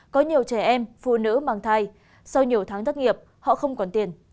có nhiều trẻ em phụ nữ mang thai sau nhiều tháng thất nghiệp họ không còn tiền